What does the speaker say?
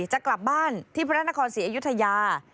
จะกลับบ้านที่พระนครศรีอยุธยา